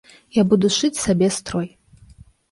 Я буду шыць сабе строй!